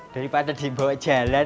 daripada dibawa jalan